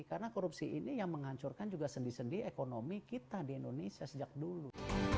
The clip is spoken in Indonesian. karena korupsi ini yang menghancurkan juga sendi sendi ekonomi kita di indonesia sejak dulu